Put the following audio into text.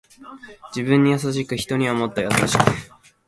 自分に優しく人にはもっと優しく